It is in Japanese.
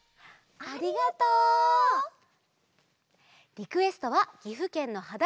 リクエストはぎふけんのはだ